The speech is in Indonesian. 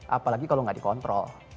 apalagi kalau nggak dikontrol